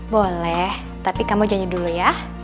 boleh tapi kamu janji dulu ya